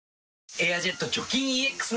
「エアジェット除菌ＥＸ」